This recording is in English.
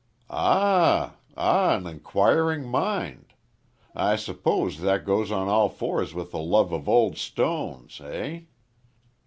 "Ah ah! An enquiring mind? I suppose that goes on all fours with the love of old stones eh?